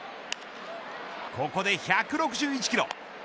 ここで１６１キロ。